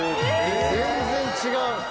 全然違う！